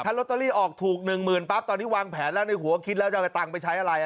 ลอตเตอรี่ออกถูกหนึ่งหมื่นปั๊บตอนนี้วางแผนแล้วในหัวคิดแล้วจะเอาตังค์ไปใช้อะไร